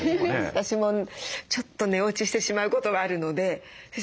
私もちょっと寝落ちしてしまうことがあるので先生